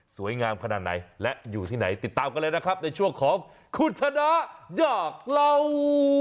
งามขนาดไหนและอยู่ที่ไหนติดตามกันเลยนะครับในช่วงของคุณชนะอยากเล่า